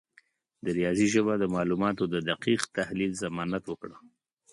د ریاضي ژبه د معلوماتو د دقیق تحلیل ضمانت وکړه.